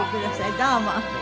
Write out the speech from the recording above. どうも。